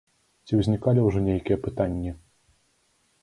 Ці ўзнікалі ўжо нейкія пытанні?